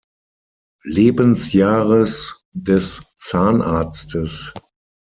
Lebensjahres des Zahnarztes.